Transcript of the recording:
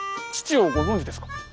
父をご存じですか？